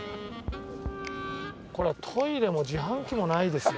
これトイレも自販機もないですよ。